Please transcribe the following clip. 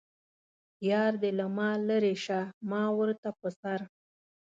یار دې له ما لرې شه ما ورته په سر.